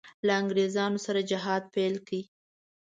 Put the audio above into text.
له انګرېزانو سره جهاد پیل کړي.